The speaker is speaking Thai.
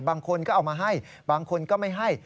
บางคนก็เอามาให้บางคนก็ไม่ให้